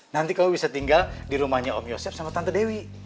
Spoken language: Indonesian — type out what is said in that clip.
nanti kau bisa tinggal di rumahnya om yosep sama tante dewi